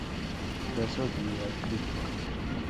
Trazo diacrítico